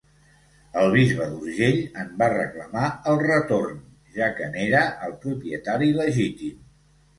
El bisbe d'Urgell en va reclamar el retorn, ja que n'era el propietari legítim.